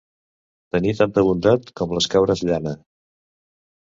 Tenir tanta bondat com les cabres llana.